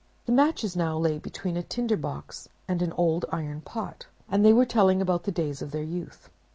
The Matches now lay between a Tinder box and an old Iron Pot; and they were telling about the days of their youth.